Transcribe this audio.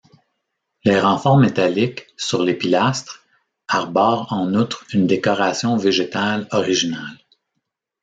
Les renforts métalliques, sur les pilastres, arborent en outre une décoration végétale originale.